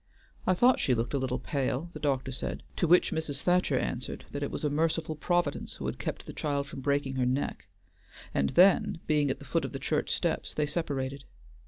"I thought she looked a little pale," the doctor said, to which Mrs. Thacher answered that it was a merciful Providence who had kept the child from breaking her neck, and then, being at the foot of the church steps, they separated.